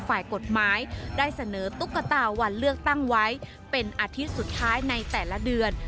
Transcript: ฝ่ายกฎหมายได้เสนอตุ๊กตาวันเลือกตั้งไว้เป็นอาทิตย์สุดท้ายในแต่ละเดือน